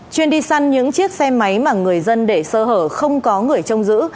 chuyên đi săn những chiếc xe máy mà người dân để sơ hở không có người trông giữ